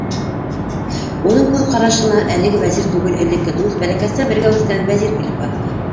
Уның күҙ ҡарашына әлеге Вәзир түгел, элекке дуҫ, бәләкәстән бергә үҫкән Вәзир килеп баҫты.